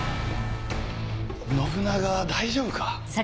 信長は大丈夫か？